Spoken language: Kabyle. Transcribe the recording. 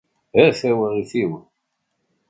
A tawaɣit-iw!